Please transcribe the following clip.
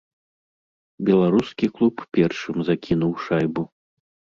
Беларускі клуб першым закінуў шайбу.